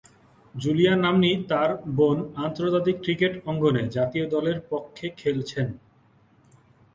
Julia নাম্নী তার বোন আন্তর্জাতিক ক্রিকেট অঙ্গনে জাতীয় দলের পক্ষে খেলছেন।